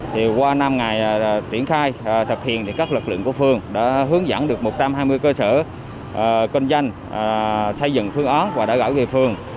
thì qua năm ngày triển khai thực hiện thì các lực lượng của phường đã hướng dẫn được một trăm hai mươi cơ sở kinh doanh xây dựng phương án và đã gửi về phường